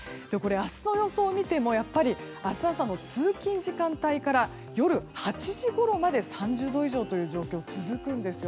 明日の予想を見てもやっぱり明日朝の通勤時間帯から夜８時ごろまで３０度以上という状況が続くんです。